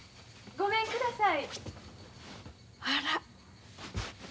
・ごめんください。